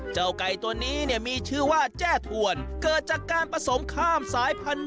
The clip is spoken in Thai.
ไก่ตัวนี้เนี่ยมีชื่อว่าแจ้ถวนเกิดจากการผสมข้ามสายพันธุ์